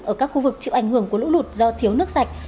ở các khu vực chịu ảnh hưởng của lũ lụt do thiếu nước sạch